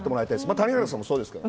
谷原さんもそうですけど。